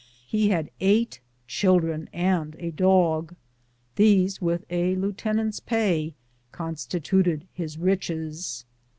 He had eight children and a dog. These, with a lieutenant's pay, constituted his riches.